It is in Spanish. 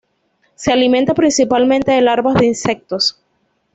Se alimenta principalmente de larvas de insectos.